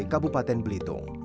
kabupaten indonesia baru